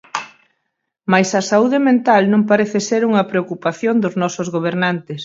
Mais a saúde mental non parece ser unha preocupación dos nosos gobernantes.